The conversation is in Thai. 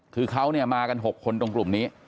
คือเขาเนี่ยมากัน๖คนตรงกลุ่มนี้